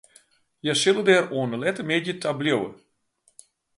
Hja sille der oan 'e lette middei ta bliuwe.